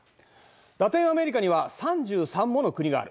ラテンアメリカには３３もの国がある。